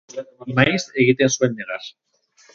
Maiz egiten zuen negar.